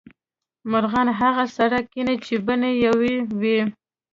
مرغان هغه سره کینې چې بڼې یو وې